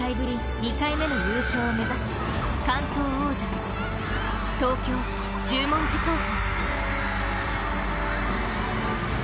２回目の優勝を目指す関東王者、東京・十文字高校。